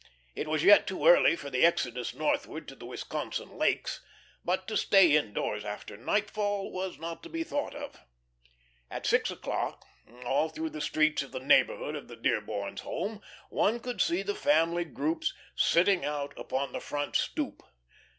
It was yet too early for the exodus northward to the Wisconsin lakes, but to stay indoors after nightfall was not to be thought of. After six o'clock, all through the streets in the neighbourhood of the Dearborns' home, one could see the family groups "sitting out" upon the front "stoop."